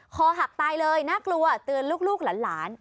คอหักตายเลยน่ากลัวเตือนลูกหลาน